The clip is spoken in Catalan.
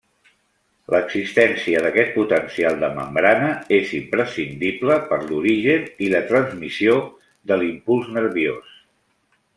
L'existència d'aquest potencial de membrana és imprescindible per l'origen i la transmissió de l'impuls nerviós.